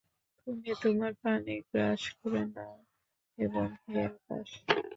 তুমি তোমার পানি গ্রাস করে নাও এবং হে আকাশ!